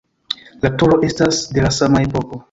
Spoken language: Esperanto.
La turo estas de la sama epoko.